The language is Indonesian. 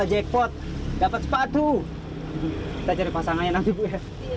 wah jackpot dapat sepatu terjadi pasangannya nanti bu ya